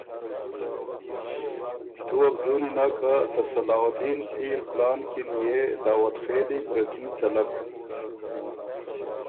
تُو وه بُو ځُونی نک که ته صلاح الدین پیر کلان کی ن يې داؤدخېلی بره کي څلک